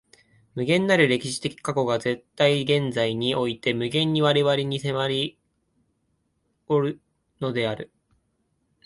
無限なる歴史的過去が絶対現在において無限に我々に迫りおるのである。